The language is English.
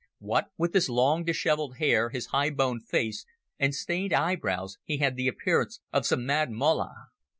What with his long dishevelled hair, his high boned face, and stained eyebrows he had the appearance of some mad mullah.